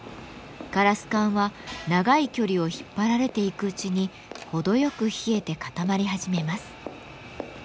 ガラス管は長い距離を引っ張られていくうちに程よく冷えて固まり始めます。